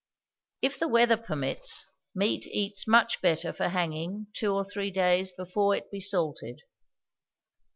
If the weather permits, meat eats much better for hanging two or three days before it be salted.